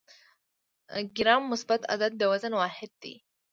ګرام مثبت عدد د وزن واحد دی.